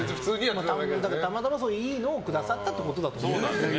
たまたまいいのをくださったということだと思います。